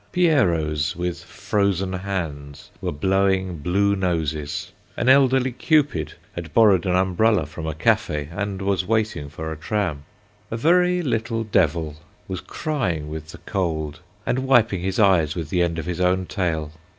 Pierrots, with frozen hands, were blowing blue noses. An elderly Cupid had borrowed an umbrella from a café and was waiting for a tram. A very little devil was crying with the cold, and wiping his eyes with the end of his own tail.